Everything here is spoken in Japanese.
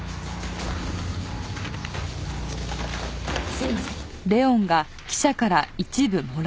すいません。